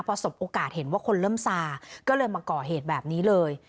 พอสบโอกาสเห็นว่าคนเริ่มซาก็เลยมาก่อเหตุแบบนี้เลย